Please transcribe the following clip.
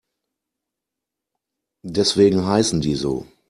Deswegen heißen die so.